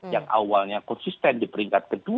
yang awalnya konsisten di peringkat ke dua